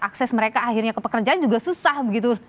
akses mereka akhirnya ke pekerjaan juga susah begitu